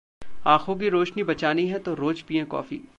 आंखों की रोशनी बचानी है, तो रोज पिएं कॉफी